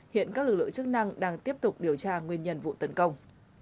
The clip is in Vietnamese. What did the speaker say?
hiện các lực lượng chức năng đang tiếp tục điều tra nguyên nhân vụ tấn công